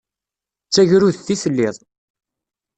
D tagrudt i telliḍ.